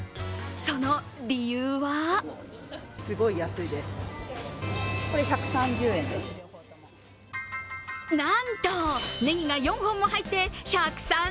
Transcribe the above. その理由はなんと、ねぎが４本も入って１３０円！